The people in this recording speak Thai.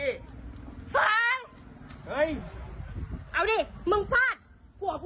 เกิดอะไรขึ้นเดี๋ยวเล่าให้ฟังนะครับ